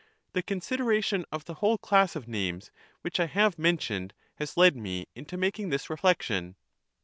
The consideration of the whole class of names which I have mentioned has led me into making this reflection.